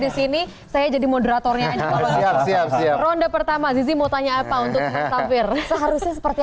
disini saya jadi moderatornya ronde pertama zizi mau tanya apa untuk tampil seharusnya seperti